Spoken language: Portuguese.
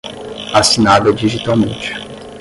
assinada digitalmente